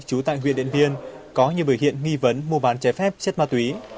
chú tại huyện điện biên có những bởi hiện nghi vấn mua bán trái phép chất ma túy